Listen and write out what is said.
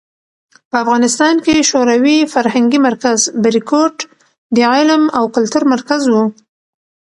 په افغانستان کې شوروي فرهنګي مرکز "بریکوټ" د علم او کلتور مرکز و.